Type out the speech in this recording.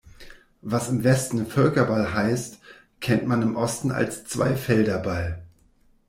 Was im Westen Völkerball heißt, kennt man im Osten als Zweifelderball.